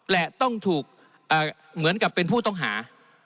และต้องถูกเหมือนกับเป็นผู้ต้องหา